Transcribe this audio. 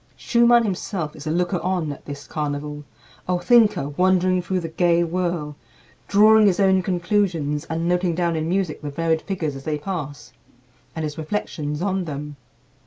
Schumann himself is the looker on at this carnival, a thinker wandering through the gay whirl, drawing his own conclusions, and noting down in music the varied figures as they pass, and his reflections on them.